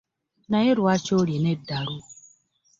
Naye lwaki olina eddalu?